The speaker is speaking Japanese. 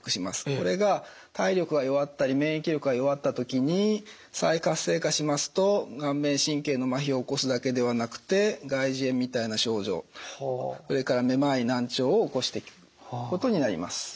これが体力が弱ったり免疫力が弱った時に再活性化しますと顔面神経のまひを起こすだけではなくて外耳炎みたいな症状それからめまい難聴を起こしていくことになります。